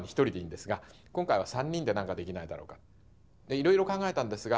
いろいろ考えたんですが